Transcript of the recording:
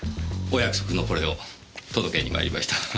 お約束のこれを届けにまいりました。